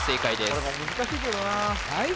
これも難しいけどなさい